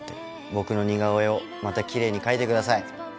僕の似顔絵をまたキレイに描いてください。